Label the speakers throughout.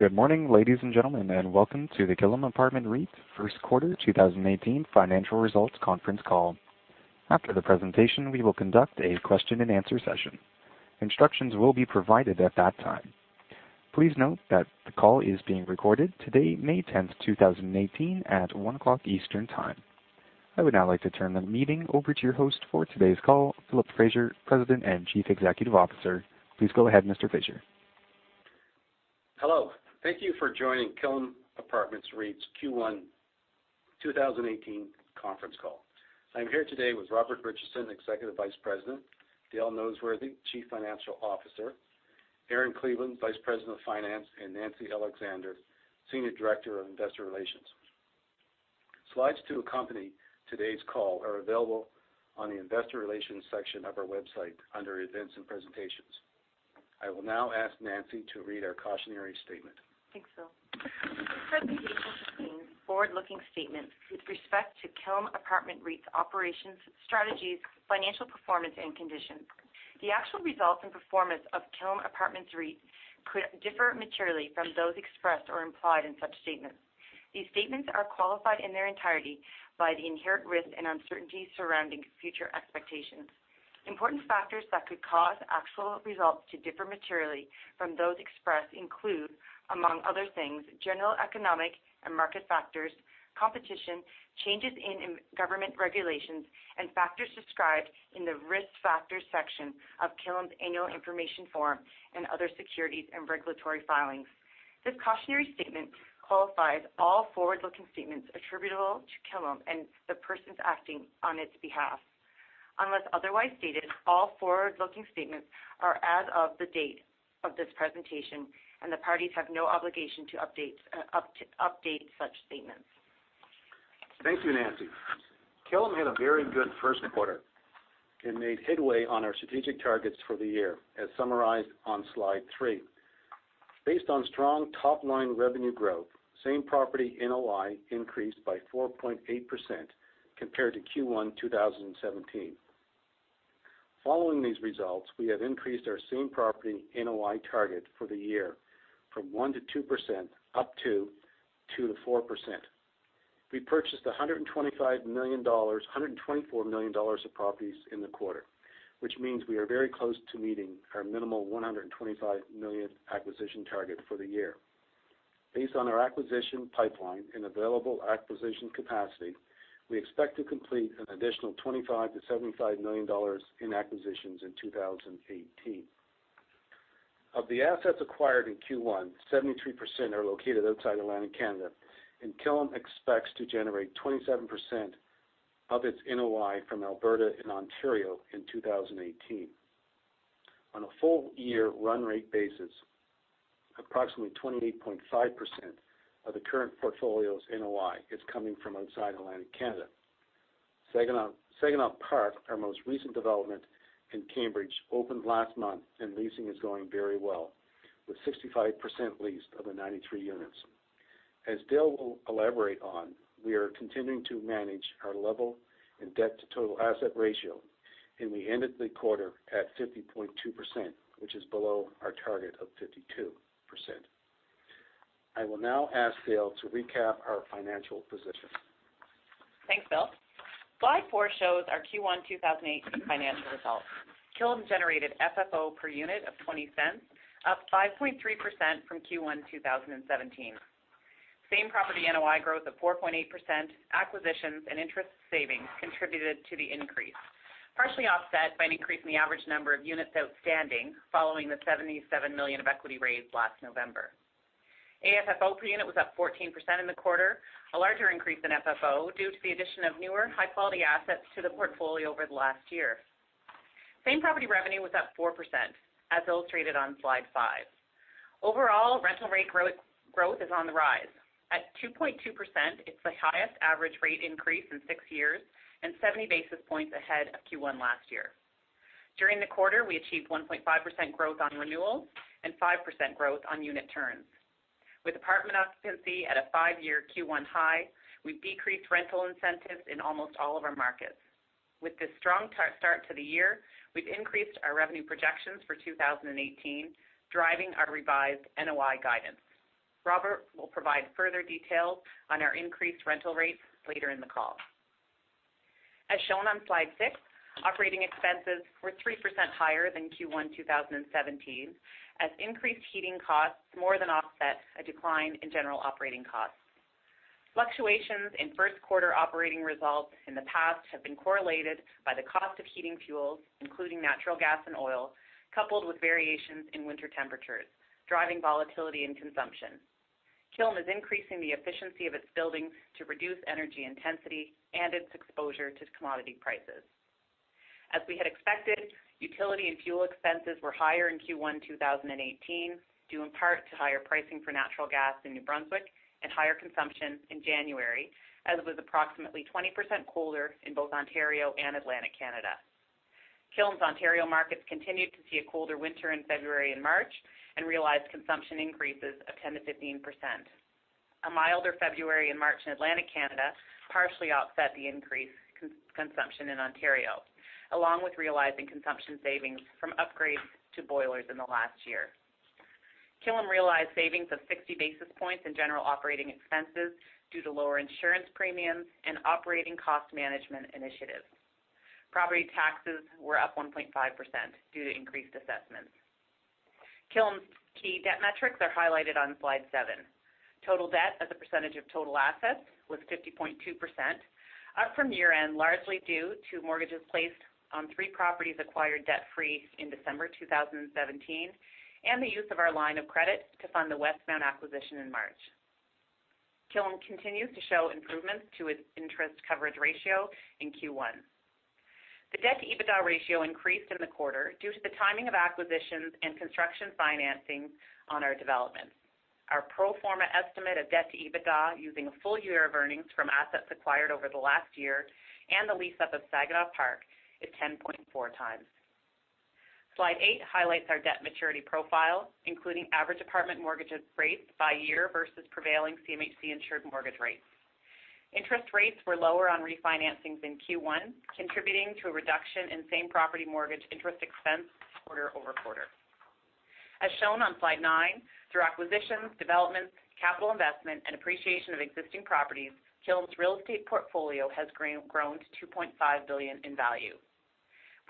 Speaker 1: Good morning, ladies and gentlemen, and welcome to the Killam Apartment REIT First Quarter 2018 Financial Results Conference Call. After the presentation, we will conduct a question and answer session. Instructions will be provided at that time. Please note that the call is being recorded today, May 10, 2018, at 1:00 P.M. Eastern Time. I would now like to turn the meeting over to your host for today's call, Philip Fraser, President and Chief Executive Officer. Please go ahead, Mr. Fraser.
Speaker 2: Hello. Thank you for joining Killam Apartment REIT's Q1 2018 conference call. I am here today with Robert Richardson, Executive Vice President, Dale Noseworthy, Chief Financial Officer, Erin Cleveland, Vice President of Finance, and Nancy Alexander, Senior Director of Investor Relations. Slides to accompany today's call are available on the investor relations section of our website under events and presentations. I will now ask Nancy to read our cautionary statement.
Speaker 3: Thanks, Phil. This presentation contains forward-looking statements with respect to Killam Apartment REIT's operations, strategies, financial performance, and conditions. The actual results and performance of Killam Apartment REIT could differ materially from those expressed or implied in such statements. These statements are qualified in their entirety by the inherent risks and uncertainties surrounding future expectations. Important factors that could cause actual results to differ materially from those expressed include, among other things, general economic and market factors, competition, changes in government regulations, and factors described in the Risk Factors section of Killam's Annual Information Form and other securities and regulatory filings. This cautionary statement qualifies all forward-looking statements attributable to Killam and the persons acting on its behalf. Unless otherwise stated, all forward-looking statements are as of the date of this presentation, and the parties have no obligation to update such statements.
Speaker 2: Thank you, Nancy. Killam had a very good first quarter and made headway on our strategic targets for the year, as summarized on slide three. Based on strong top-line revenue growth, same property NOI increased by 4.8% compared to Q1 2017. Following these results, we have increased our same property NOI target for the year from 1%-2%, up to 2%-4%. We purchased 124 million dollars of properties in the quarter, which means we are very close to meeting our minimum 125 million acquisition target for the year. Based on our acquisition pipeline and available acquisition capacity, we expect to complete an additional 25 million-75 million dollars in acquisitions in 2018. Of the assets acquired in Q1, 73% are located outside Atlantic Canada, and Killam expects to generate 27% of its NOI from Alberta and Ontario in 2018. On a full-year run rate basis, approximately 28.5% of the current portfolio's NOI is coming from outside Atlantic Canada. Saginaw Park, our most recent development in Cambridge, opened last month, and leasing is going very well, with 65% leased of the 93 units. As Dale will elaborate on, we are continuing to manage our level and debt-to-total-asset ratio, and we ended the quarter at 50.2%, which is below our target of 52%. I will now ask Dale to recap our financial position.
Speaker 4: Thanks, Phil. Slide 4 shows our Q1 2018 financial results. Killam generated FFO per unit of 0.20, up 5.3% from Q1 2017. Same property NOI growth of 4.8%, acquisitions, and interest savings contributed to the increase, partially offset by an increase in the average number of units outstanding following the 77 million of equity raised last November. AFFO per unit was up 14% in the quarter, a larger increase than FFO, due to the addition of newer, high-quality assets to the portfolio over the last year. Same-property revenue was up 4%, as illustrated on Slide 5. Overall, rental rate growth is on the rise. At 2.2%, it's the highest average rate increase in six years, and 70 basis points ahead of Q1 last year. During the quarter, we achieved 1.5% growth on renewals and 5% growth on unit turns. With apartment occupancy at a five-year Q1 high, we've decreased rental incentives in almost all of our markets. With this strong start to the year, we've increased our revenue projections for 2018, driving our revised NOI guidance. Robert will provide further details on our increased rental rates later in the call. As shown on Slide 6, operating expenses were 3% higher than Q1 2017, as increased heating costs more than offset a decline in general operating costs. Fluctuations in first-quarter operating results in the past have been correlated by the cost of heating fuels, including natural gas and oil, coupled with variations in winter temperatures, driving volatility in consumption. Killam is increasing the efficiency of its buildings to reduce energy intensity and its exposure to commodity prices.
Speaker 3: As we had expected, utility and fuel expenses were higher in Q1 2018, due in part to higher pricing for natural gas in New Brunswick and higher consumption in January, as it was approximately 20% colder in both Ontario and Atlantic Canada. Killam's Ontario markets continued to see a colder winter in February and March and realized consumption increases of 10%-15%.
Speaker 4: A milder February and March in Atlantic Canada partially offset the increased consumption in Ontario, along with realizing consumption savings from upgrades to boilers in the last year. Killam realized savings of 60 basis points in general operating expenses due to lower insurance premiums and operating cost management initiatives. Property taxes were up 1.5% due to increased assessments. Killam's key debt metrics are highlighted on slide seven. Total debt as a percentage of total assets was 50.2%, up from year-end, largely due to mortgages placed on three properties acquired debt-free in December 2017, and the use of our line of credit to fund the Westmount acquisition in March. Killam continues to show improvements to its interest coverage ratio in Q1. The debt-to-EBITDA ratio increased in the quarter due to the timing of acquisitions and construction financing on our developments. Our pro forma estimate of debt to EBITDA, using a full year of earnings from assets acquired over the last year and the lease up of Saginaw Park, is 10.4 times. Slide eight highlights our debt maturity profile, including average apartment mortgages rates by year versus prevailing CMHC-insured mortgage rates. Interest rates were lower on refinancings in Q1, contributing to a reduction in same property mortgage interest expense quarter-over-quarter. As shown on slide 9, through acquisitions, developments, capital investment, and appreciation of existing properties, Killam's Real Estate portfolio has grown to 2.5 billion in value.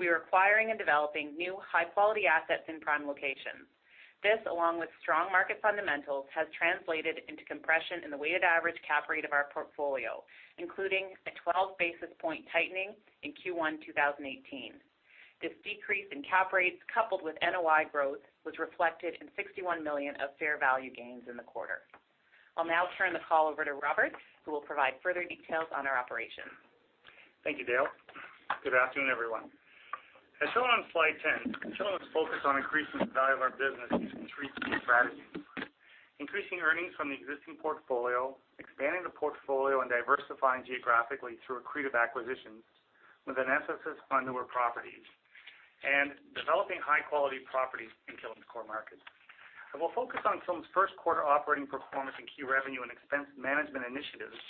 Speaker 4: We are acquiring and developing new high-quality assets in prime locations. This, along with strong market fundamentals, has translated into compression in the weighted average cap rate of our portfolio, including a 12 basis point tightening in Q1 2018. This decrease in cap rates, coupled with NOI growth, was reflected in 61 million of fair value gains in the quarter. I'll now turn the call over to Robert, who will provide further details on our operations.
Speaker 5: Thank you, Dale. Good afternoon, everyone. As shown on slide 10, Killam is focused on increasing the value of our business using three key strategies: increasing earnings from the existing portfolio, expanding the portfolio, and diversifying geographically through accretive acquisitions, with an emphasis on newer properties. Developing high-quality properties in Killam's core markets. I will focus on Killam's first quarter operating performance and key revenue and expense management initiatives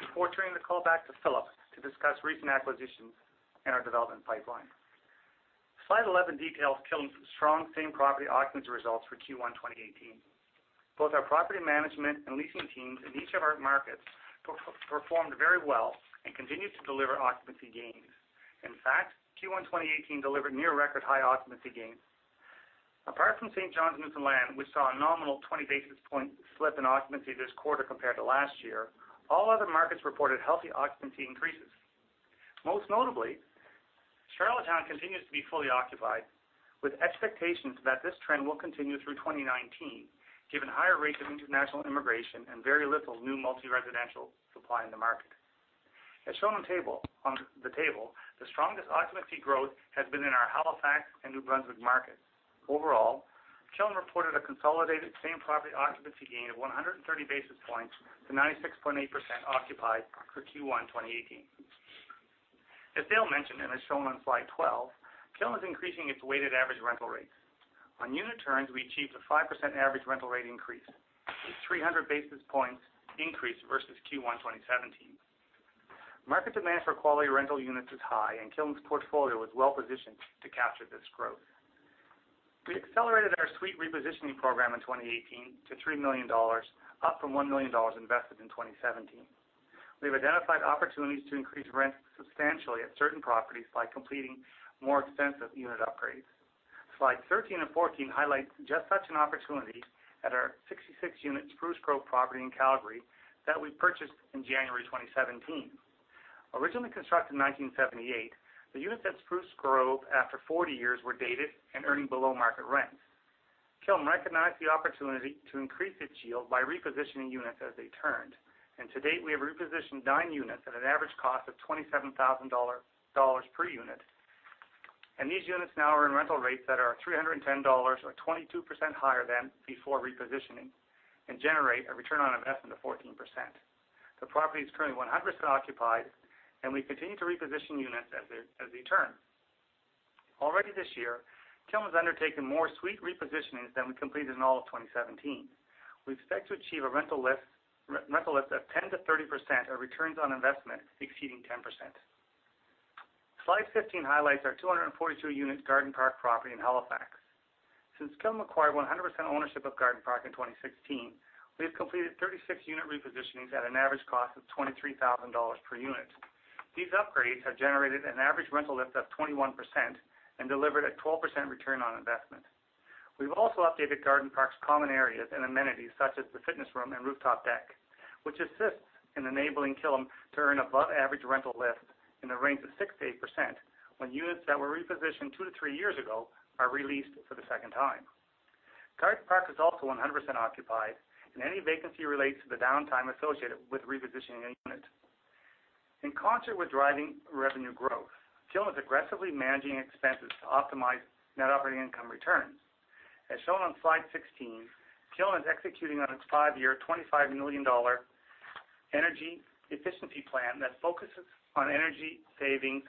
Speaker 5: before turning the call back to Philip to discuss recent acquisitions and our development pipeline. Slide 11 details Killam's strong same property occupancy results for Q1 2018. Both our property management and leasing teams in each of our markets performed very well and continue to deliver occupancy gains. In fact, Q1 2018 delivered near record-high occupancy gains. Apart from St. John's, Newfoundland, we saw a nominal 20-basis-point slip in occupancy this quarter compared to last year. All other markets reported healthy occupancy increases. Most notably, Charlottetown continues to be fully occupied, with expectations that this trend will continue through 2019, given higher rates of international immigration and very little new multi-residential supply in the market. As shown on the table, the strongest occupancy growth has been in our Halifax and New Brunswick markets. Overall, Killam reported a consolidated same property occupancy gain of 130 basis points to 96.8% occupied for Q1 2018. As Dale mentioned, as shown on slide 12, Killam is increasing its weighted average rental rates. On unit turns, we achieved a 5% average rental rate increase. 300 basis points increase versus Q1 2017. Market demand for quality rental units is high, and Killam's portfolio is well-positioned to capture this growth. We accelerated our suite repositioning program in 2018 to 3 million dollars, up from 1 million dollars invested in 2017. We've identified opportunities to increase rent substantially at certain properties by completing more expensive unit upgrades. Slide 13 and 14 highlight just such an opportunity at our 66-unit Spruce Grove property in Calgary that we purchased in January 2017. Originally constructed in 1978, the units at Spruce Grove, after 40 years, were dated and earning below-market rents. Killam recognized the opportunity to increase its yield by repositioning units as they turned. To date, we have repositioned nine units at an average cost of 27,000 dollars per unit, and these units now are in rental rates that are 310 dollars, or 22% higher than before repositioning, and generate a return on investment of 14%. The property is currently 100% occupied, and we continue to reposition units as they turn. Already this year, Killam has undertaken more suite repositionings than we completed in all of 2017. We expect to achieve a rental lift of 10%-30% or returns on investment exceeding 10%. Slide 15 highlights our 242-unit Garden Park property in Halifax. Since Killam acquired 100% ownership of Garden Park in 2016, we have completed 36 unit repositionings at an average cost of 23,000 dollars per unit. These upgrades have generated an average rental lift of 21% and delivered a 12% return on investment. We've also updated Garden Park's common areas and amenities such as the fitness room and rooftop deck, which assists in enabling Killam to earn above-average rental lifts in the range of 6%-8% when units that were repositioned two to three years ago are re-leased for the second time. Garden Park is also 100% occupied, and any vacancy relates to the downtime associated with repositioning a unit. In concert with driving revenue growth, Killam is aggressively managing expenses to optimize net operating income returns. As shown on slide 16, Killam is executing on its five-year 25 million dollar Energy efficiency plan that focuses on energy savings,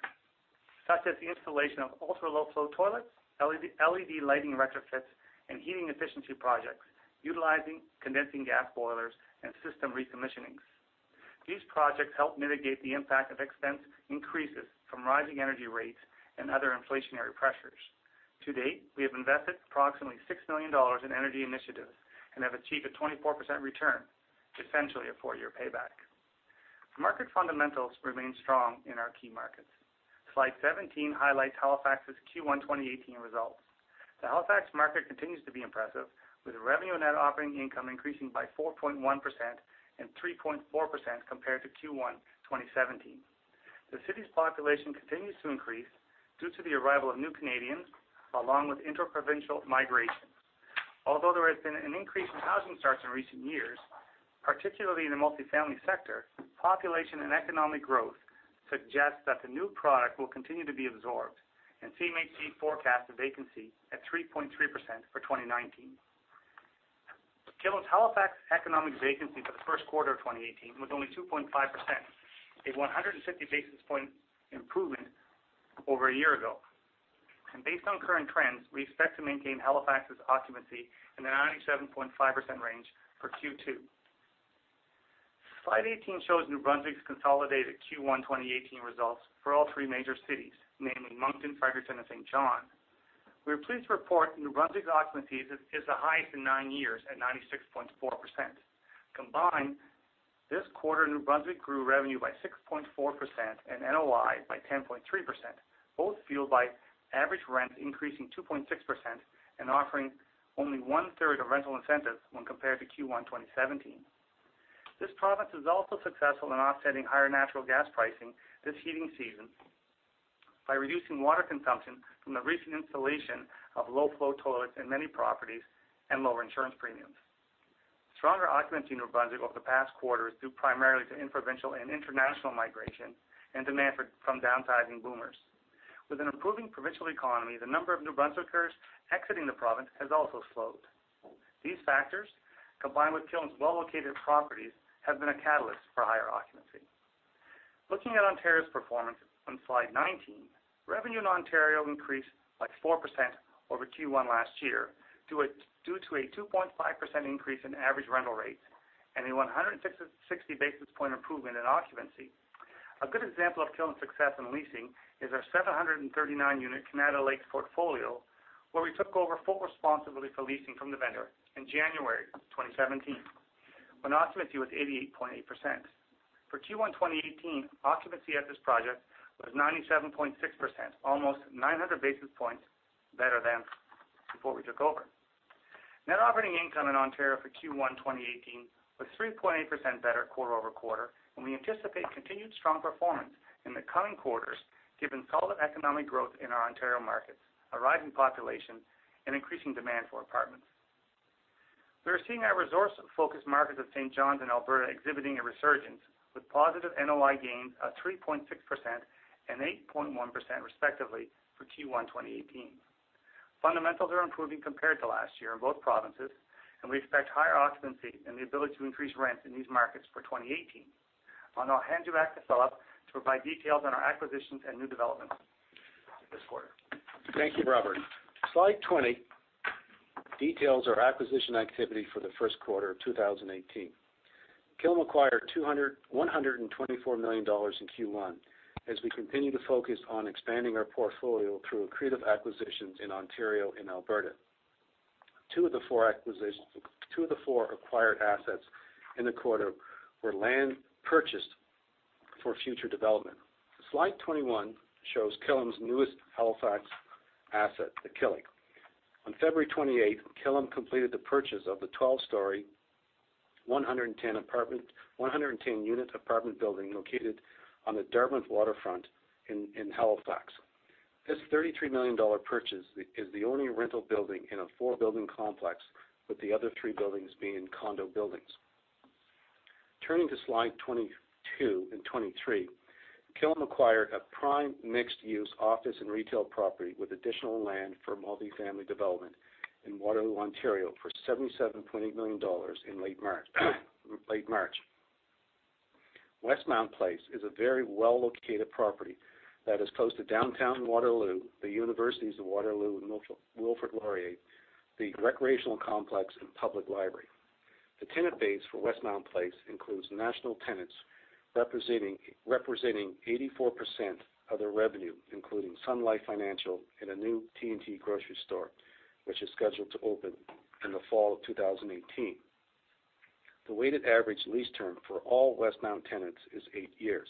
Speaker 5: such as the installation of ultra-low flow toilets, LED lighting retrofits, and heating efficiency projects, utilizing condensing gas boilers and system recommissionings. These projects help mitigate the impact of expense increases from rising energy rates and other inflationary pressures. To date, we have invested approximately 6 million dollars in energy initiatives and have achieved a 24% return, essentially a four-year payback. The market fundamentals remain strong in our key markets. Slide 17 highlights Halifax's Q1 2018 results. The Halifax market continues to be impressive, with revenue net operating income increasing by 4.1% and 3.4% compared to Q1 2017. The city's population continues to increase due to the arrival of new Canadians, along with inter-provincial migration. Although there has been an increase in housing starts in recent years, particularly in the multi-family sector, population and economic growth suggests that the new product will continue to be absorbed, CMHC forecasts a vacancy at 3.3% for 2019. Killam's Halifax economic vacancy for the first quarter of 2018 was only 2.5%, a 150-basis point improvement over a year ago. Based on current trends, we expect to maintain Halifax's occupancy in the 97.5% range for Q2. Slide 18 shows New Brunswick's consolidated Q1 2018 results for all three major cities, namely Moncton, Fredericton, and St. John. We are pleased to report New Brunswick's occupancy is the highest in nine years at 96.4%. Combined, this quarter, New Brunswick grew revenue by 6.4% and NOI by 10.3%, both fueled by average rents increasing 2.6% and offering only one-third of rental incentives when compared to Q1 2017. This province was also successful in offsetting higher natural gas pricing this heating season by reducing water consumption from the recent installation of low-flow toilets in many properties, and lower insurance premiums. Stronger occupancy in New Brunswick over the past quarter is due primarily to in-provincial and international migration, and demand from downsizing boomers. With an improving provincial economy, the number of New Brunswickers exiting the province has also slowed. These factors, combined with Killam's well-located properties, have been a catalyst for higher occupancy. Looking at Ontario's performance on Slide 19, revenue in Ontario increased by 4% over Q1 last year, due to a 2.5% increase in average rental rates and a 160-basis point improvement in occupancy. A good example of Killam's success in leasing is our 739-unit Canada Lakes portfolio, where we took over full responsibility for leasing from the vendor in January 2017, when occupancy was 88.8%. For Q1 2018, occupancy at this project was 97.6%, almost 900 basis points better than before we took over. Net operating income in Ontario for Q1 2018 was 3.8% better quarter-over-quarter, We anticipate continued strong performance in the coming quarters given solid economic growth in our Ontario markets, a rising population, and increasing demand for apartments. We are seeing our resource-focused markets of St. John's and Alberta exhibiting a resurgence, with positive NOI gains of 3.6% and 8.1%, respectively, for Q1 2018. Fundamentals are improving compared to last year in both provinces, We expect higher occupancy and the ability to increase rents in these markets for 2018. I'll now hand you back to Philip to provide details on our acquisitions and new developments this quarter.
Speaker 2: Thank you, Robert. Slide 20 details our acquisition activity for the first quarter of 2018. Killam acquired 124 million dollars in Q1 as we continue to focus on expanding our portfolio through accretive acquisitions in Ontario and Alberta. Two of the four acquired assets in the quarter were land purchased for future development. Slide 21 shows Killam's newest Halifax asset, The Killick. On February 28th, Killam completed the purchase of the 12-story, 110-unit apartment building located on the Dartmouth waterfront in Halifax. This 33 million dollar purchase is the only rental building in a four-building complex, with the other three buildings being condo buildings. Turning to Slide 22 and 23, Killam acquired a prime mixed-use office and retail property with additional land for multi-family development in Waterloo, Ontario for 77.8 million dollars in late March. Westmount Place is a very well-located property that is close to downtown Waterloo, the Universities of Waterloo and Wilfrid Laurier, the recreational complex, and public library. The tenant base for Westmount Place includes national tenants representing 84% of their revenue, including Sun Life Financial Inc. and a new T&T Supermarket, which is scheduled to open in the fall of 2018. The weighted average lease term for all Westmount tenants is 8 years.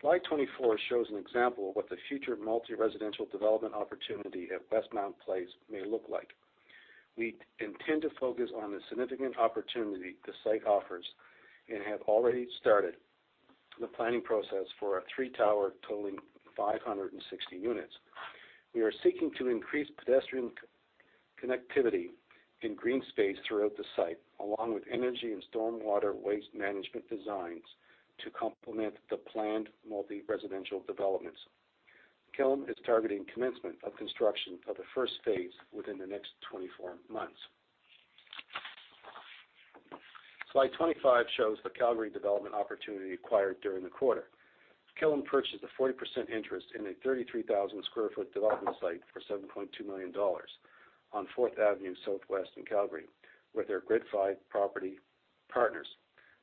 Speaker 2: Slide 24 shows an example of what the future multi-residential development opportunity at Westmount Place may look like. We intend to focus on the significant opportunity the site offers and have already started the planning process for a 3-tower totaling 560 units. We are seeking to increase pedestrian connectivity and green space throughout the site, along with energy and stormwater waste management designs to complement the planned multi-residential developments. Killam is targeting commencement of construction of the first phase within the next 24 months. Slide 25 shows the Calgary development opportunity acquired during the quarter. Killam purchased a 40% interest in a 33,000 sq ft development site for 7.2 million dollars on Fourth Avenue Southwest in Calgary, with their Grid 5 property partners.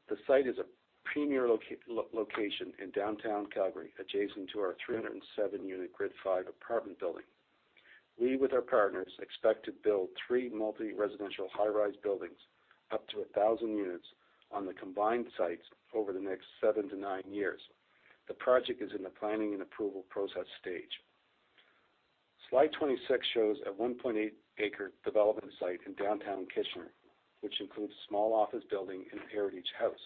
Speaker 2: The site is a premier location in downtown Calgary, adjacent to our 307-unit Grid 5 apartment building. We, with our partners, expect to build 3 multi-residential high-rise buildings, up to 1,000 units, on the combined sites over the next 7 to 9 years. The project is in the planning and approval process stage. Slide 26 shows a 1.8-acre development site in downtown Kitchener, which includes a small office building and a heritage house,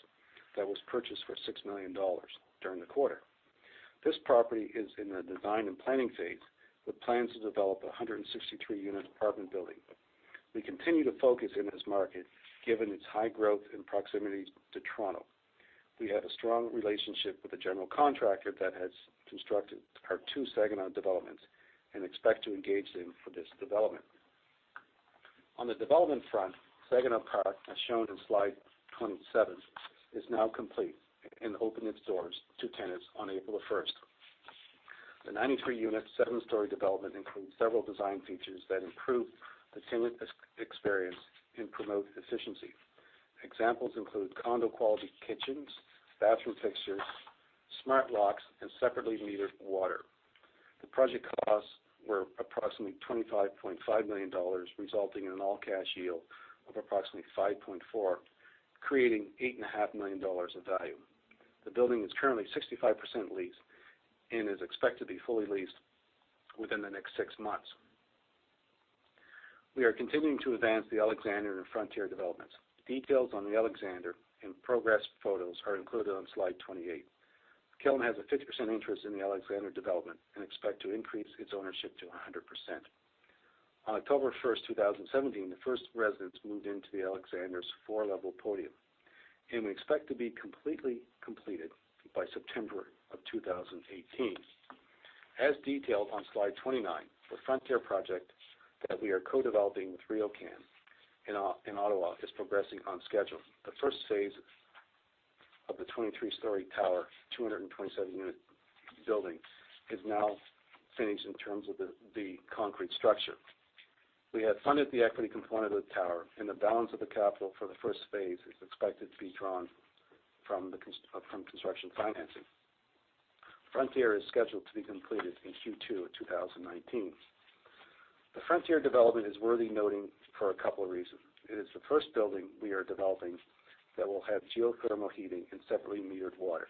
Speaker 2: that was purchased for 6 million dollars during the quarter. This property is in the design and planning phase, with plans to develop a 163-unit apartment building. We continue to focus in this market, given its high growth and proximity to Toronto. We have a strong relationship with the general contractor that has constructed our 2 Saginaw developments and expect to engage them for this development. On the development front, Saginaw Park, as shown in Slide 27, is now complete and opened its doors to tenants on April 1st. The 93-unit, 7-story development includes several design features that improve the tenant experience and promote efficiency. Examples include condo-quality kitchens, bathroom fixtures, smart locks, and separately metered water. The project costs were approximately 25.5 million dollars, resulting in an all cash yield of approximately 5.4%, creating 8.5 million dollars of value. The building is currently 65% leased and is expected to be fully leased within the next 6 months. We are continuing to advance The Alexander and Frontier developments. Details on The Alexander and progress photos are included on Slide 28. Killam has a 50% interest in The Alexander development and expects to increase its ownership to 100%. On October 1st, 2017, the first residents moved into The Alexander's four-level podium, and we expect to be completely completed by September of 2018. As detailed on Slide 29, the Frontier project that we are co-developing with RioCan in Ottawa is progressing on schedule. The first phase of the 23-story tower, 227-unit building, is now finished in terms of the concrete structure. We have funded the equity component of the tower, and the balance of the capital for the first phase is expected to be drawn from construction financing. Frontier is scheduled to be completed in Q2 of 2019. The Frontier development is worth noting for a couple of reasons. It is the first building we are developing that will have geothermal heating and separately metered water,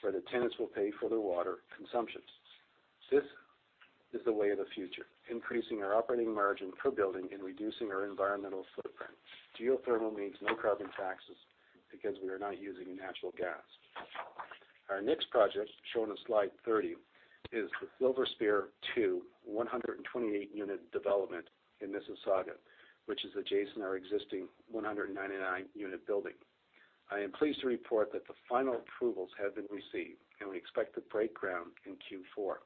Speaker 2: where the tenants will pay for their water consumption. This is the way of the future, increasing our operating margin per building and reducing our environmental footprint. Geothermal means no carbon taxes because we are not using natural gas. Our next project, shown in Slide 30, is the Clover Spear 2, 128-unit development in Mississauga, which is adjacent to our existing 199-unit building. I am pleased to report that the final approvals have been received, and we expect to break ground in Q4.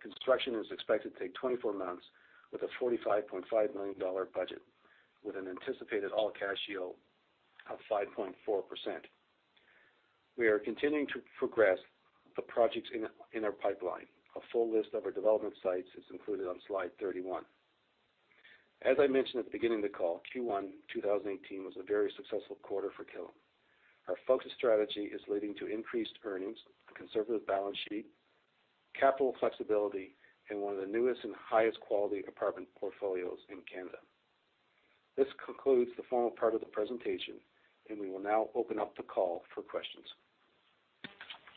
Speaker 2: Construction is expected to take 24 months, with a 45.5 million dollar budget, with an anticipated all-cash yield of 5.4%. We are continuing to progress the projects in our pipeline. A full list of our development sites is included on Slide 31. As I mentioned at the beginning of the call, Q1 2018 was a very successful quarter for Killam. Our focused strategy is leading to increased earnings, a conservative balance sheet, capital flexibility, and one of the newest and highest-quality apartment portfolios in Canada. This concludes the formal part of the presentation. We will now open up the call for questions.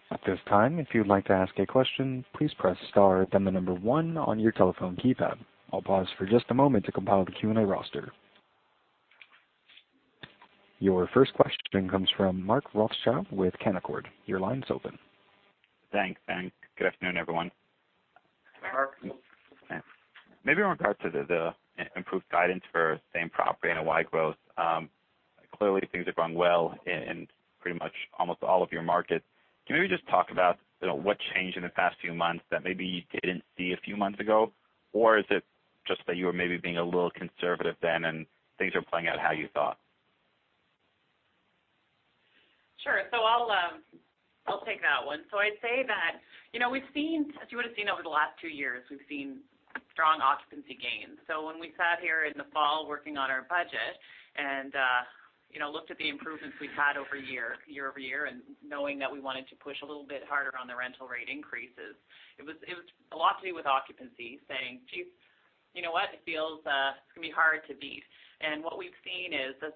Speaker 1: At this time, if you would like to ask a question, please press star then the number one on your telephone keypad. I'll pause for just a moment to compile the Q&A roster. Your first question comes from Mark Rothschild with Canaccord. Your line's open.
Speaker 6: Thanks. Good afternoon, everyone.
Speaker 2: Mark.
Speaker 6: In regards to the improved guidance for same-property NOI growth. Clearly, things have gone well in pretty much almost all of your markets. Can you just talk about what changed in the past few months that you didn't see a few months ago? Or is it just that you were being a little conservative then, and things are playing out how you thought?
Speaker 4: Sure. I'll take that one. I'd say that, as you would've seen over the last 2 years, we've seen strong occupancy gains. When we sat here in the fall working on our budget and looked at the improvements we've had year-over-year, knowing that we wanted to push a little bit harder on the rental rate increases, it was a lot to do with occupancy, saying, "Gee, you know what? It feels it's going to be hard to beat." What we've seen is the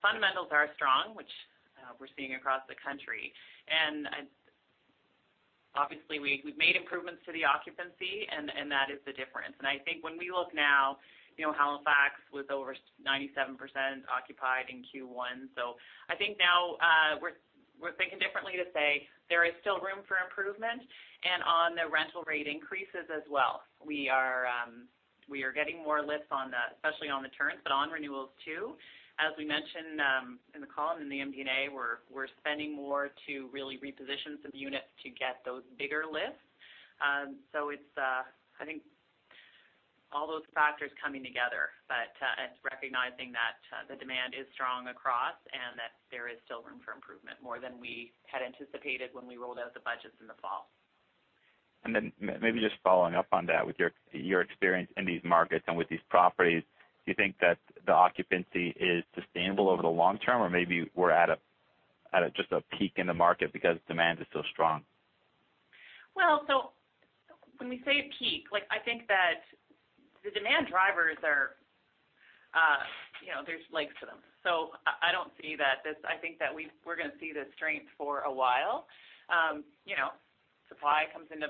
Speaker 4: fundamentals are strong, which we're seeing across the country. Obviously, we've made improvements to the occupancy, and that is the difference. I think when we look now, Halifax was over 97% occupied in Q1. I think now, we're thinking differently to say there is still room for improvement, and on the rental rate increases as well. We are getting more lifts, especially on the turns, but on renewals too. As we mentioned in the column in the MD&A, we're spending more to really reposition some units to get those bigger lifts. It's, I think, all those factors coming together. It's recognizing that the demand is strong across, and that there is still room for improvement, more than we had anticipated when we rolled out the budgets in the fall.
Speaker 6: Maybe just following up on that, with your experience in these markets and with these properties, do you think that the occupancy is sustainable over the long term? Or maybe we're at just a peak in the market because demand is so strong?
Speaker 4: When we say a peak, I think that the demand drivers, there's legs to them. I don't see that. I think that we're going to see this strength for a while. Supply comes into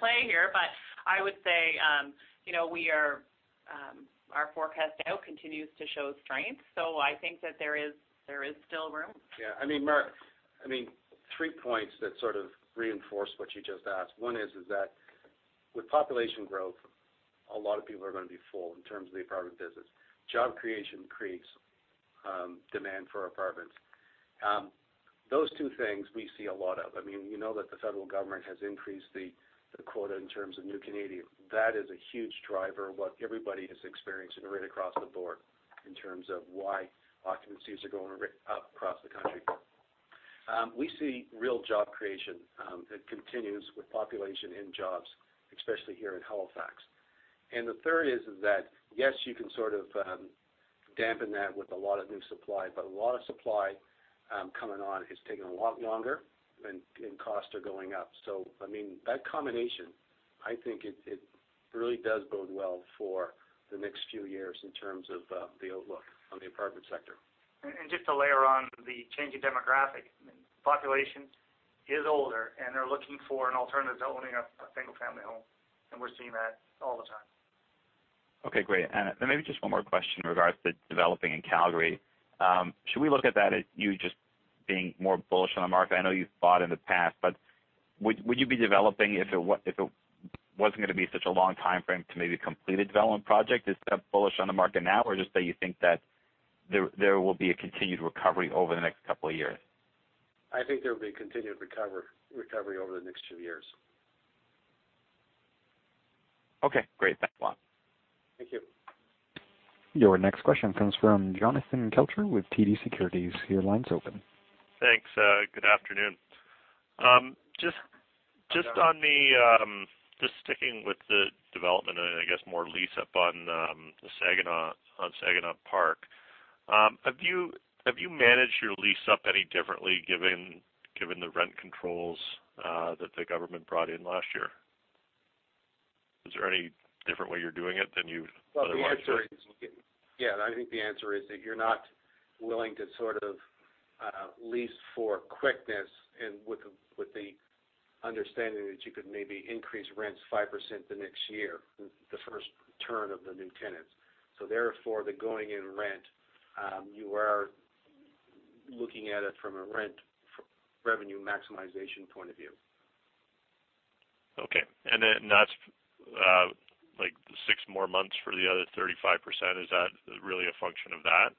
Speaker 4: play here, but I would say our forecast now continues to show strength. I think that there is still room.
Speaker 2: Yeah. Mark, three points that sort of reinforce what you just asked. One is that with population growth, a lot of people are going to be full in terms of the apartment business. Job creation creates demand for apartments. Those two things we see a lot of. You know that the federal government has increased the quota in terms of New Canadian. That is a huge driver of what everybody is experiencing right across the board in terms of why occupancies are going up across the country. We see real job creation that continues with population in jobs, especially here in Halifax. The third is that, yes, you can sort of dampen that with a lot of new supply, but a lot of supply coming on is taking a lot longer, and costs are going up. That combination, I think it really does bode well for the next few years in terms of the outlook on the apartment sector.
Speaker 5: Just to layer on the changing demographic. Population is older, and they're looking for an alternative to owning a single-family home, and we're seeing that all the time.
Speaker 6: Okay, great. Then maybe just one more question in regards to developing in Calgary. Should we look at that as you just being more bullish on the market? I know you've bought in the past, but would you be developing if it wasn't going to be such a long timeframe to maybe complete a development project? Is that bullish on the market now, or just that you think that there will be a continued recovery over the next couple of years?
Speaker 2: I think there will be continued recovery over the next few years.
Speaker 6: Okay, great. Thanks a lot.
Speaker 2: Thank you.
Speaker 1: Your next question comes from Jonathan Kelcher with TD Securities. Your line's open.
Speaker 7: Thanks. Good afternoon.
Speaker 2: Hi, Jon.
Speaker 7: Just sticking with the development, and I guess more lease-up on Saginaw Park. Have you managed your lease-up any differently given the rent controls that the government brought in last year? Is there any different way you are doing it than you otherwise would?
Speaker 2: Well, the answer is, yeah. I think the answer is that you are not willing to sort of lease for quickness and with the understanding that you could maybe increase rents 5% the next year, the first turn of the new tenants. Therefore, the going-in rent, you are looking at it from a rent revenue maximization point of view.
Speaker 7: Okay. Then that is six more months for the other 35%. Is that really a function of that?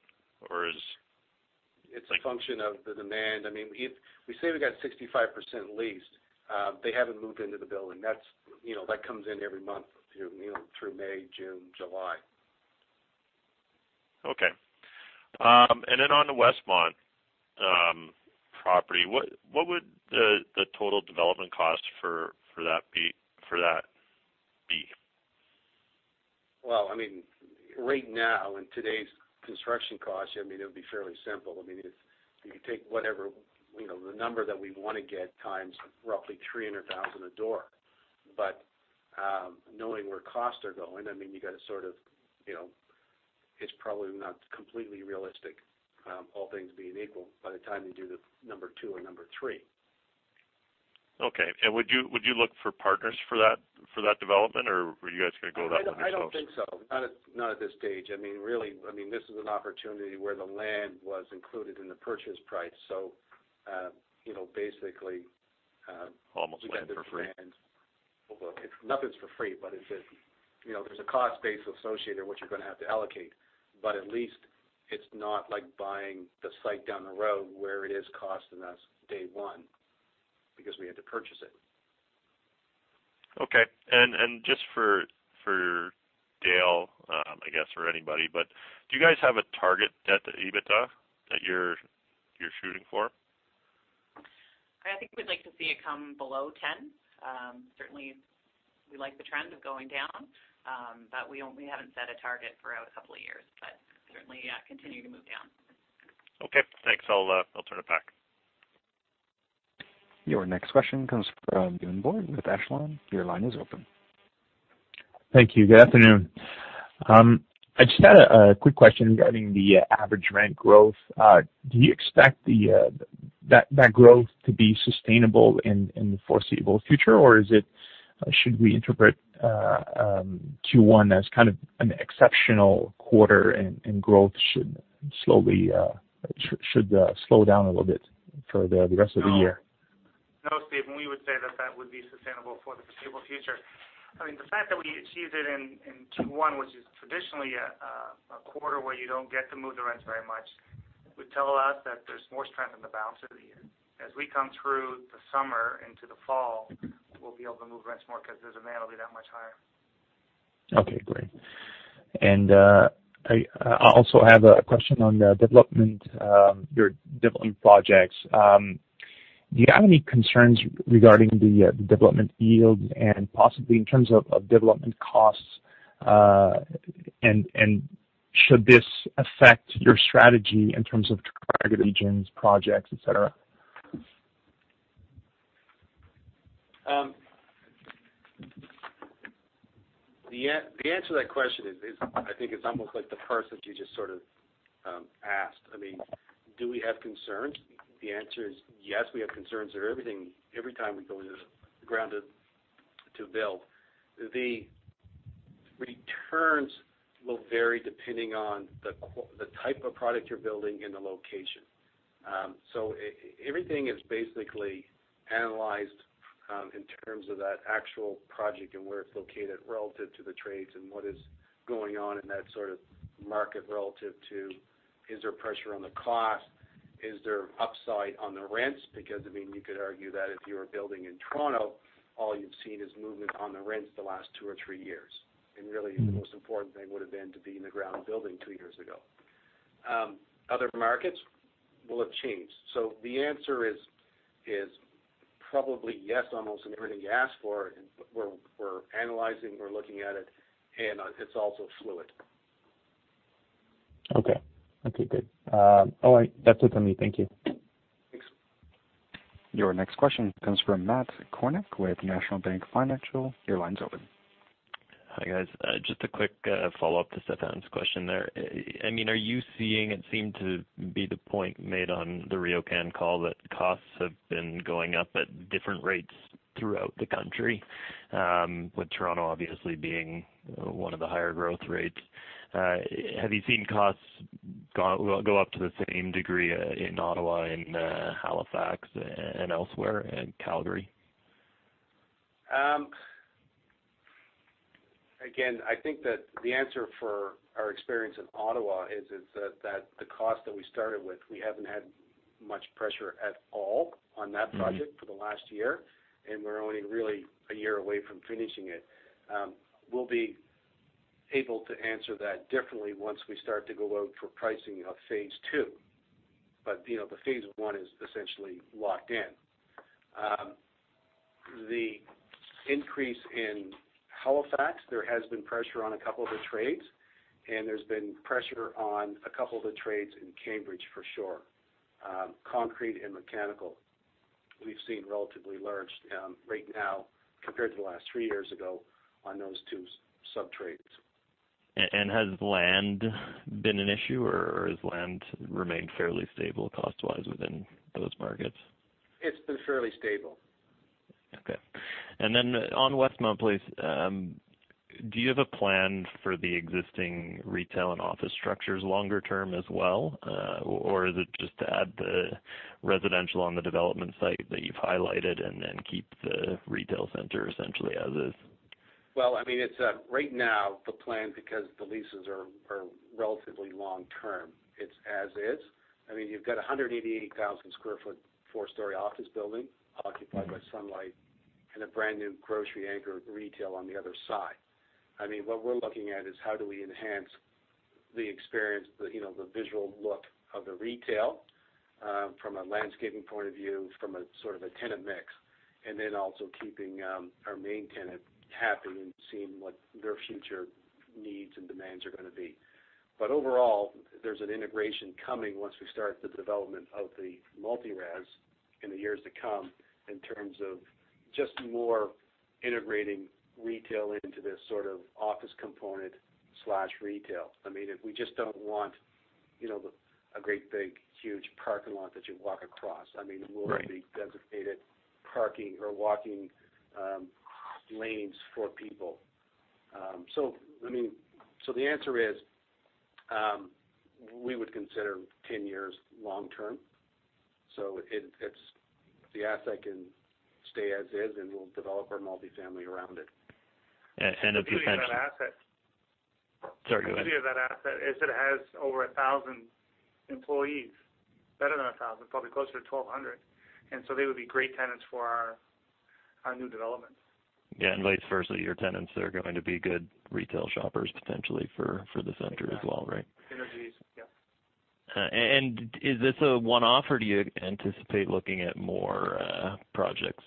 Speaker 2: It is a function of the demand. We say we got 65% leased. They haven't moved into the building. That comes in every month through May, June, July.
Speaker 7: Okay. On the Westmount property, what would the total development cost for that be?
Speaker 2: Right now in today's construction costs, it would be fairly simple. If you take whatever the number that we want to get times roughly 300,000 a door. Knowing where costs are going, it's probably not completely realistic, all things being equal, by the time you do the number 2 or number 3.
Speaker 7: Okay. Would you look for partners for that development, or were you guys going to go that way yourselves?
Speaker 2: I don't think so. Not at this stage. Really, this is an opportunity where the land was included in the purchase price.
Speaker 7: Almost getting it for free
Speaker 2: We got this land. Well, look, nothing's for free, but there's a cost base associated, which you're going to have to allocate. At least it's not like buying the site down the road where it is costing us day one because we had to purchase it.
Speaker 7: Okay. Just for Dale, I guess, or anybody, but do you guys have a target debt to EBITDA that you're shooting for?
Speaker 4: I think we'd like to see it come below 10. Certainly, we like the trend of going down. We haven't set a target for out a couple of years. Certainly, continue to move down.
Speaker 7: Okay, thanks. I'll turn it back.
Speaker 1: Your next question comes from Euan Board with Ashmount. Your line is open.
Speaker 8: Thank you. Good afternoon. I just had a quick question regarding the average rent growth. Do you expect that growth to be sustainable in the foreseeable future, or should we interpret Q1 as kind of an exceptional quarter, and growth should slow down a little bit for the rest of the year?
Speaker 5: No, Euan, we would say that that would be sustainable for the foreseeable future. The fact that we achieved it in Q1, which is traditionally a quarter where you don't get to move the rents very much, would tell us that there's more strength in the balance of the year. As we come through the summer into the fall, we'll be able to move rents more because the demand will be that much higher.
Speaker 8: Okay, great. I also have a question on your development projects. Do you have any concerns regarding the development yields and possibly in terms of development costs? Should this affect your strategy in terms of target regions, projects, et cetera?
Speaker 2: The answer to that question is, I think it's almost like the first that you just sort of asked. Do we have concerns? The answer is yes, we have concerns at everything, every time we go into the ground to build. The returns will vary depending on the type of product you're building and the location. Everything is basically analyzed in terms of that actual project and where it's located relative to the trades and what is going on in that sort of market relative to, is there pressure on the cost? Is there upside on the rents? You could argue that if you were building in Toronto, all you've seen is movement on the rents the last two or three years. Really, the most important thing would've been to be in the ground building two years ago. Other markets will have changed. The answer is probably yes on almost everything you asked for, and we're analyzing, we're looking at it, and it's also fluid.
Speaker 8: Okay. Okay, good. All right. That's it for me. Thank you.
Speaker 2: Thanks.
Speaker 1: Your next question comes from Matt Kornack with National Bank Financial. Your line's open.
Speaker 9: Hi, guys. Just a quick follow-up to Euan's question there. Are you seeing, it seemed to be the point made on the RioCan call that costs have been going up at different rates throughout the country, with Toronto obviously being one of the higher growth rates. Have you seen costs go up to the same degree in Ottawa, in Halifax, and elsewhere, and Calgary?
Speaker 2: I think that the answer for our experience in Ottawa is that the cost that we started with, we haven't had much pressure at all on that project for the last year, and we're only really a year away from finishing it. We'll be able to answer that differently once we start to go out for pricing of phase two. The phase one is essentially locked in. The increase in Halifax, there has been pressure on a couple of the trades, and there's been pressure on a couple of the trades in Cambridge, for sure. Concrete and mechanical we've seen relatively large right now compared to the last three years ago on those two sub-trades.
Speaker 9: Has land been an issue, or has land remained fairly stable cost-wise within those markets?
Speaker 2: It's been fairly stable.
Speaker 9: Okay. Then on Westmount Place, do you have a plan for the existing retail and office structures longer term as well? Or is it just to add the residential on the development site that you've highlighted and then keep the retail center essentially as is?
Speaker 2: Well, right now the plan, because the leases are relatively long-term, it's as is. You've got 188,000 square-foot, four-story office building occupied by Sun Life and a brand-new grocery anchor retail on the other side. What we're looking at is how do we enhance the experience, the visual look of the retail, from a landscaping point of view, from a sort of a tenant mix, and then also keeping our main tenant happy and seeing what their future needs and demands are going to be. Overall, there's an integration coming once we start the development of the multi-res in the years to come in terms of just more integrating retail into this sort of office component/retail. We just don't want a great big, huge parking lot that you walk across.
Speaker 9: Right.
Speaker 2: There will be designated parking or walking lanes for people. The answer is, we would consider 10 years long-term. The asset can stay as is, and we'll develop our multifamily around it.
Speaker 9: And a potential-
Speaker 5: The beauty of that asset.
Speaker 9: Sorry, go ahead.
Speaker 5: The beauty of that asset is it has over 1,000 employees. Better than 1,000, probably closer to 1,200. They would be great tenants for our new developments.
Speaker 9: Yeah. Vice versa, your tenants are going to be good retail shoppers potentially for the center as well, right?
Speaker 2: Synergies. Yeah.
Speaker 9: Is this a one-off, or do you anticipate looking at more projects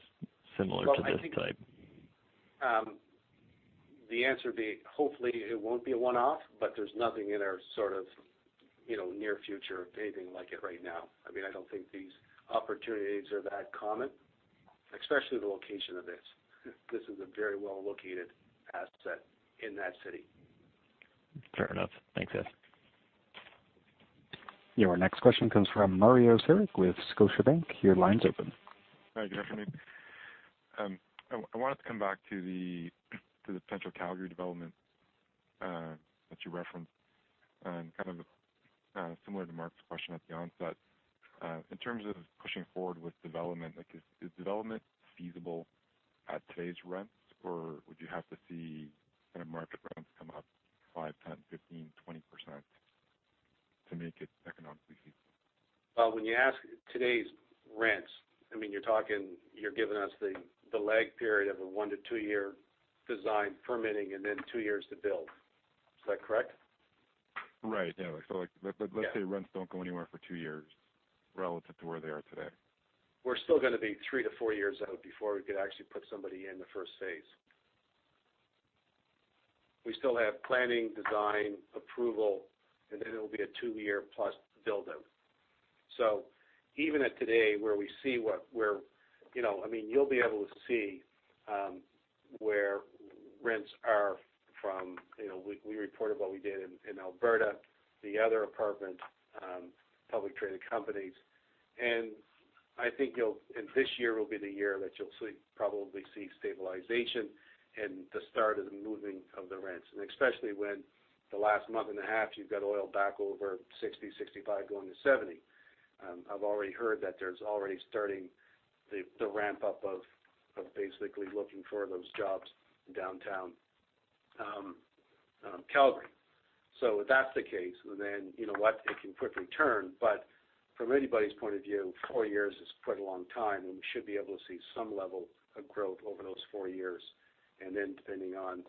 Speaker 9: similar to this type?
Speaker 2: The answer would be, hopefully it won't be a one-off, but there's nothing in our sort of near future of anything like it right now. I don't think these opportunities are that common, especially the location of this. This is a very well-located asset in that city.
Speaker 9: Fair enough. Thanks, guys.
Speaker 1: Your next question comes from Mario Saric with Scotiabank. Your line's open.
Speaker 10: Hi, good afternoon. I wanted to come back to the potential Calgary development that you referenced, kind of similar to Mark's question at the onset. In terms of pushing forward with development, is development feasible at today's rents, or would you have to see market rents come up 5%, 10%, 15%, 20% to make it economically feasible?
Speaker 2: When you ask today's rents, you're giving us the lag period of a one to two-year design permitting, and then two years to build. Is that correct?
Speaker 10: Right. Yeah. Let's say rents don't go anywhere for 2 years relative to where they are today.
Speaker 2: We're still going to be 3 to 4 years out before we could actually put somebody in the first phase. We still have planning, design, approval, and then it'll be a 2-year-plus build out. Even at today, you'll be able to see where rents are from. We reported what we did in Alberta, the other apartment, public traded companies. I think this year will be the year that you'll probably see stabilization and the start of the moving of the rents. Especially when the last month and a half, you've got oil back over 60, 65 going to 70. I've already heard that there's already starting the ramp up of basically looking for those jobs downtown Calgary. If that's the case, then you know what? It can quickly turn. From anybody's point of view, 4 years is quite a long time, and we should be able to see some level of growth over those 4 years. Then depending on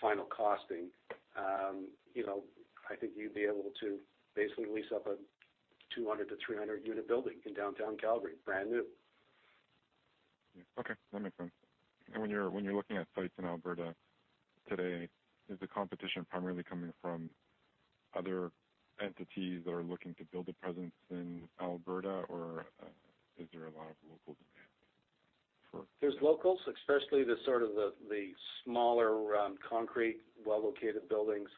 Speaker 2: final costing, I think you'd be able to basically lease up a 200 to 300 unit building in downtown Calgary, brand new.
Speaker 10: Okay, that makes sense. When you're looking at sites in Alberta today, is the competition primarily coming from other entities that are looking to build a presence in Alberta, or is there a lot of local demand for
Speaker 2: There's locals, especially the sort of the smaller concrete, well-located buildings.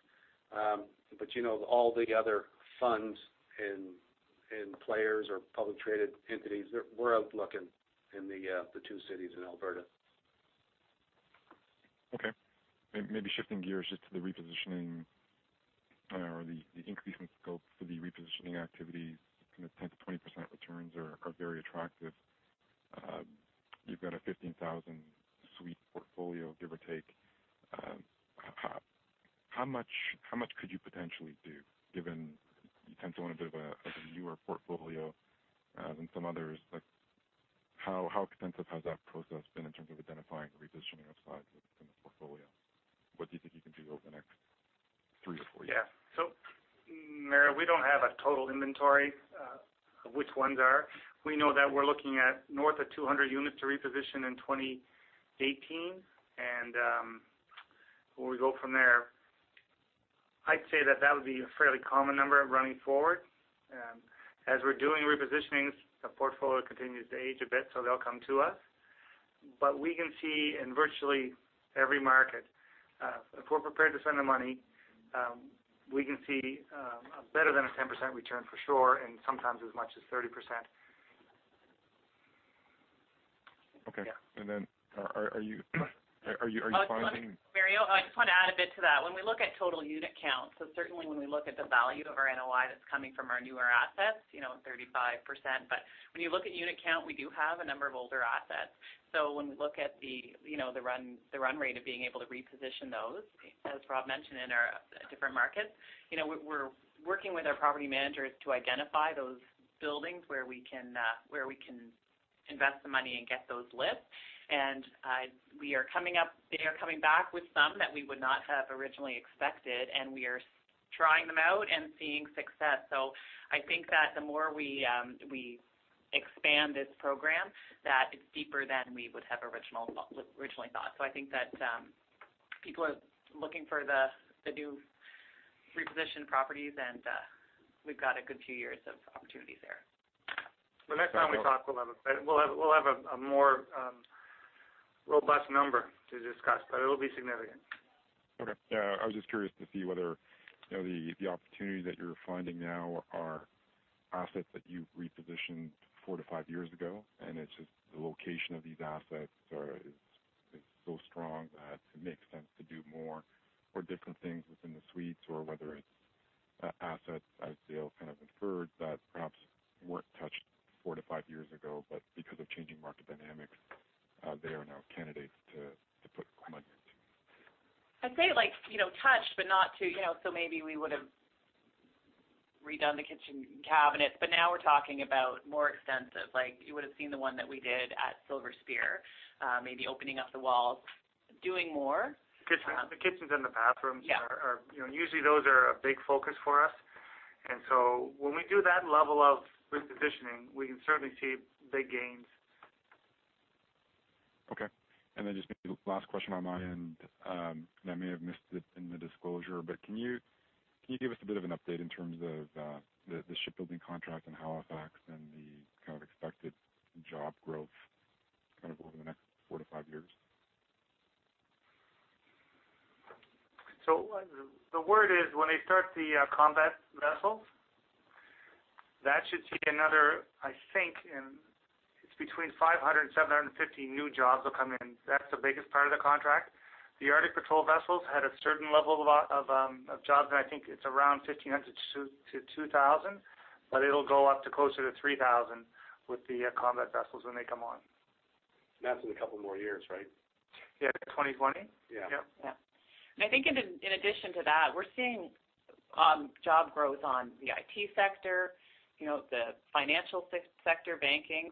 Speaker 2: All the other funds and players or public traded entities, we're out looking in the two cities in Alberta.
Speaker 10: Okay. Maybe shifting gears just to the repositioning or the increase in scope for the repositioning activity from the 10%-20% returns are very attractive. You've got a 15,000 suite portfolio, give or take. How much could you potentially do given you tend to want a bit of a newer portfolio than some others? How extensive has that process been in terms of identifying repositioning upside within the portfolio? What do you think you can do over the next three to four years?
Speaker 5: Yeah. Mario, we don't have a total inventory of which ones are. We know that we're looking at north of 200 units to reposition in 2018. Where we go from there, I'd say that that would be a fairly common number running forward. As we're doing repositionings, the portfolio continues to age a bit, so they'll come to us. We can see in virtually every market, if we're prepared to spend the money, we can see better than a 10% return for sure, and sometimes as much as 30%.
Speaker 10: Okay. Are you finding-
Speaker 4: Mario, I just want to add a bit to that. When we look at total unit counts, certainly when we look at the value of our NOI that's coming from our newer assets, 35%. When you look at unit count, we do have a number of older assets. When we look at the run rate of being able to reposition those, as Rob mentioned, in our different markets, we're working with our property managers to identify those buildings where we can invest the money and get those lifts. They are coming back with some that we would not have originally expected, and we are trying them out and seeing success. I think that the more we expand this program, that it's deeper than we would have originally thought. I think that people are looking for the new repositioned properties, and we've got a good few years of opportunities there.
Speaker 5: The next time we talk, we'll have a more robust number to discuss, but it'll be significant.
Speaker 10: I was just curious to see whether the opportunity that you're finding now are assets that you repositioned four to five years ago, and it's just the location of these assets is so strong that it makes sense to do more or different things within the suites, or whether it's assets, as Dale kind of inferred, that perhaps weren't touched four to five years ago. Because of changing market dynamics, they are now candidates to put money into.
Speaker 4: I'd say touched, maybe we would've redone the kitchen cabinets. Now we're talking about more extensive, like you would've seen the one that we did at Silver Spear. Maybe opening up the walls, doing more.
Speaker 5: The kitchens and the bathrooms.
Speaker 4: Yeah.
Speaker 5: Usually those are a big focus for us. When we do that level of repositioning, we can certainly see big gains.
Speaker 10: Okay. Just maybe the last question on my end, and I may have missed it in the disclosure, but can you give us a bit of an update in terms of the shipbuilding contract in Halifax and the kind of expected job growth over the next four to five years?
Speaker 5: The word is when they start the combat vessel, that should see another, I think it's between 500 and 750 new jobs will come in. That's the biggest part of the contract. The Arctic patrol vessels had a certain level of jobs, and I think it's around 1,500 to 2,000, but it'll go up to closer to 3,000 with the combat vessels when they come on.
Speaker 10: That's in a couple more years, right?
Speaker 5: Yeah, 2020.
Speaker 10: Yeah.
Speaker 5: Yep.
Speaker 4: Yeah. I think in addition to that, we're seeing job growth on the IT sector, the financial sector, banking.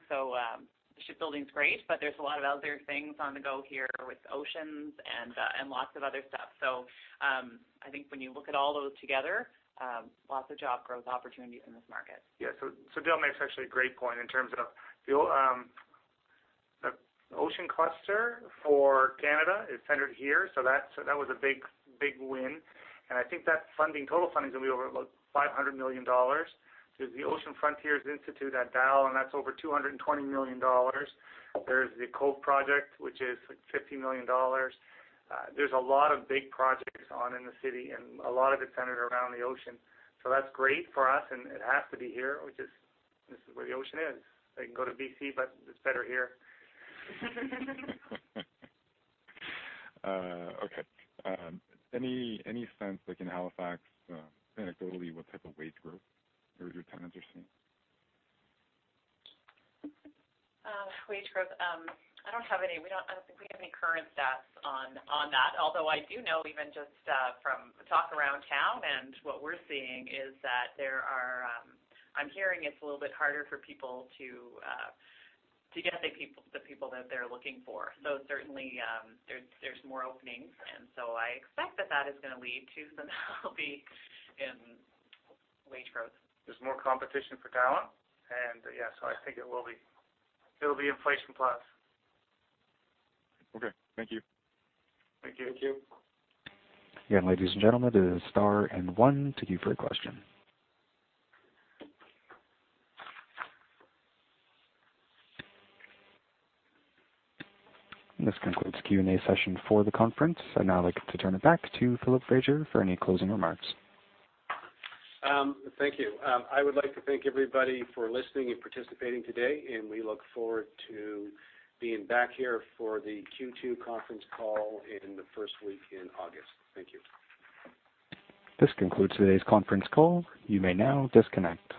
Speaker 4: Shipbuilding's great, but there's a lot of other things on the go here with oceans and lots of other stuff. I think when you look at all those together, lots of job growth opportunities in this market.
Speaker 5: Yeah. Dale makes actually a great point in terms of the ocean cluster for Canada is centered here. That was a big win. I think that total funding is going to be over about 500 million dollars. There's the Ocean Frontier Institute at Dal, and that's over 220 million dollars. There's the COVE project, which is, like, 50 million dollars. There's a lot of big projects on in the city, and a lot of it's centered around the ocean. That's great for us, and it has to be here, which is this is where the ocean is. They can go to B.C., but it's better here.
Speaker 10: Okay. Any sense, like in Halifax, anecdotally, what type of wage growth your tenants are seeing?
Speaker 4: Wage growth. I don't think we have any current stats on that. Although I do know even just from talk around town and what we're seeing is that I'm hearing it's a little bit harder for people to get the people that they're looking for. Certainly, there's more openings, I expect that that is going to lead to some healthy wage growth.
Speaker 5: There's more competition for talent. Yeah, I think it'll be inflation plus.
Speaker 10: Okay. Thank you.
Speaker 5: Thank you.
Speaker 4: Thank you.
Speaker 1: Again, ladies and gentlemen, it is star and one to queue for a question. This concludes the Q&A session for the conference. I'd now like to turn it back to Philip Fraser for any closing remarks.
Speaker 2: Thank you. I would like to thank everybody for listening and participating today. We look forward to being back here for the Q2 conference call in the first week in August. Thank you.
Speaker 1: This concludes today's conference call. You may now disconnect.